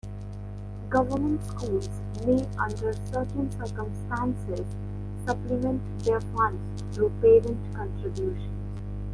Government schools may under certain circumstances supplement their funds through parent contributions.